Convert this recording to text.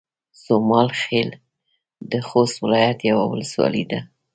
سومال خيل د خوست ولايت يوه ولسوالۍ ده